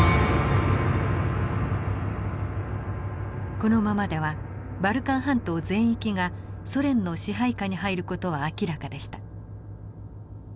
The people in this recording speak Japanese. このままではバルカン半島全域がソ連の支配下に入る事は明らかでした。